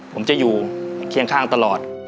ผมจะอยู่เคียงข้างตลอด